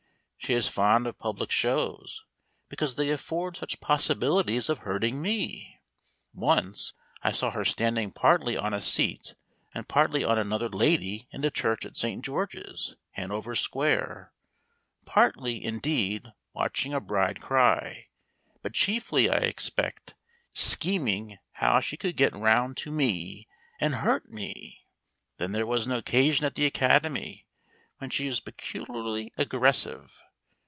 She is fond of public shows, because they afford such possibilities of hurting me. Once I saw her standing partly on a seat and partly on another lady in the church of St. George's, Hanover Square, partly, indeed, watching a bride cry, but chiefly, I expect, scheming how she could get round to me and hurt me. Then there was an occasion at the Academy when she was peculiarly aggressive.